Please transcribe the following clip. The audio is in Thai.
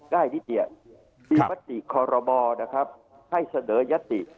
ได้นิดเดียวพิพัทธิคารมอร์ให้เสนอยาติ